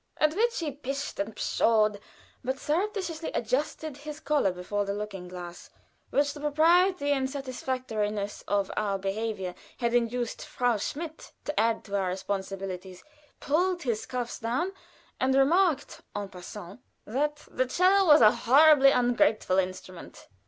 At which he pished and pshawed, but surreptitiously adjusted his collar before the looking glass which the propriety and satisfactoriness of our behavior had induced Frau Schmidt to add to our responsibilities, pulled his cuffs down, and remarked en passant that "the 'cello was a horribly ungraceful instrument."